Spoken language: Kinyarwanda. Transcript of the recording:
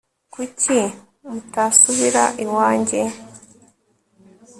kuki mutasubira iwanjye